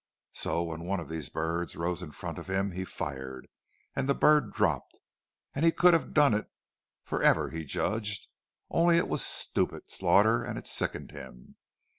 So, when one of these birds rose in front of him, he fired, and the bird dropped; and he could have done it for ever, he judged—only it was stupid slaughter, and it sickened him.